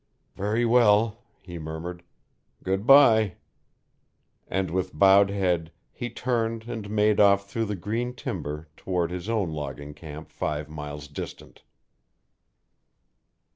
"Very well," he murmured. "Good bye." And with bowed head he turned and made off through the green timber toward his own logging camp five miles distant.